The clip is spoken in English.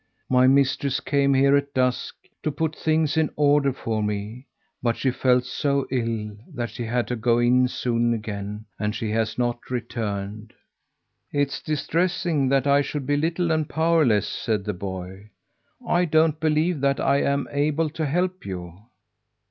My mistress came here at dusk, to put things in order for me, but she felt so ill, that she had to go in soon again, and she has not returned." "It's distressing that I should be little and powerless," said the boy. "I don't believe that I am able to help you."